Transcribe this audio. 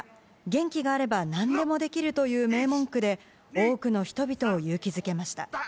元気があれば何でもできるという名文句で多くの人々を勇気づけました。